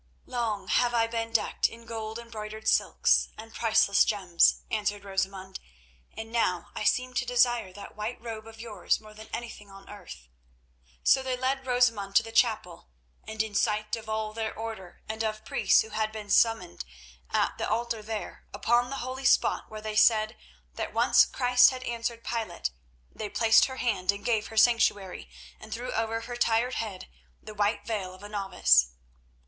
"Long have I been decked in gold embroidered silks and priceless gems," answered Rosamund, "and now I seem to desire that white robe of yours more than anything on earth." So they led Rosamund to the chapel, and in sight of all their order and of priests who had been summoned, at the altar there, upon that holy spot where they said that once Christ had answered Pilate, they placed her hand and gave her sanctuary, and threw over her tired head the white veil of a novice.